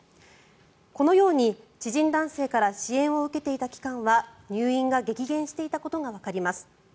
このように、知人男性から支援を受けていた期間は入院が激減していたことがわかります。